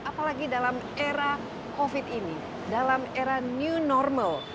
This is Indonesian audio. apalagi dalam era covid ini dalam era new normal